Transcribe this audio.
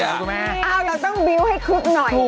เราต้องวิวให้คึกหน่อย